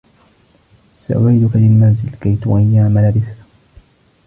سأعيدك للمنزل كي تغيّر ملابسك.